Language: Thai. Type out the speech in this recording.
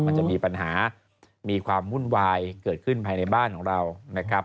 มันจะมีปัญหามีความวุ่นวายเกิดขึ้นภายในบ้านของเรานะครับ